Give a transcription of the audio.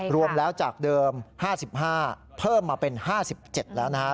รวมแล้วจากเดิม๕๕เพิ่มมาเป็น๕๗แล้วนะฮะ